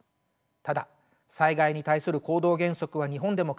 ただ災害に対する行動原則は日本でも海外でも共通です。